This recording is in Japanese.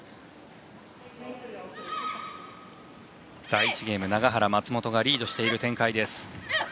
第１ゲームは永原、松本がリードしている展開。